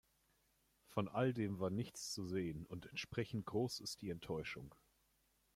Von all dem war nichts zu sehen, und entsprechend groß ist die Enttäuschung.